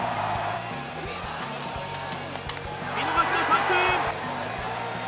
見逃して三振！